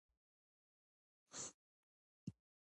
جګړن وه تذکره والاو ته وویل: ورځئ، تاسو نور خلاص یاست.